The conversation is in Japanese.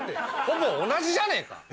ほぼ同じじゃねえか！